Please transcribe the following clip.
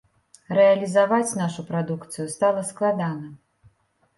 Рэалізаваць нашу прадукцыю стала складана.